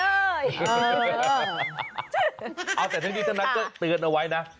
เอาแต่ทั้งนี้ทั้งนั้นก็เตือนเอาไว้นะ